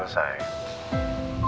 urusan saya sudah selesai